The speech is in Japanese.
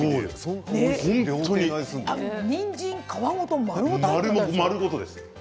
にんじん皮ごと丸ごとですよね。